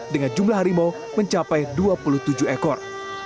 dengan jumlah harimau mencapai dua puluh tujuh ekor